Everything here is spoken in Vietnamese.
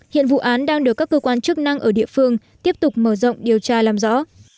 hiện vụ án đang được các cơ quan chức năng ở địa phương tiếp tục mở rộng điều tra làm rõ